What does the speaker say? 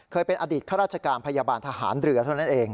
อดีตข้าราชการพยาบาลทหารเรือเท่านั้นเอง